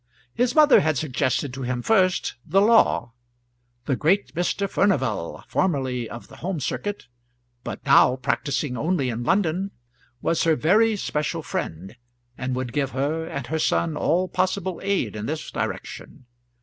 His mother had suggested to him first the law: the great Mr. Furnival, formerly of the home circuit, but now practising only in London, was her very special friend, and would give her and her son all possible aid in this direction.